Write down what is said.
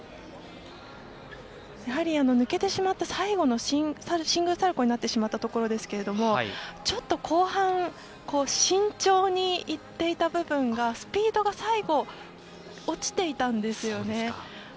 抜けてしまった最後のシングルサルコウになってしまったところですがちょっと後半慎重にいっていた部分がスピードが最後落ちていたんですよね。